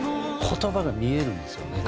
言葉が見えるんですよね。